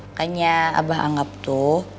makanya abah anggap tuh